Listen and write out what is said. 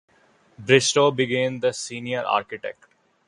Bristow being the senior architect.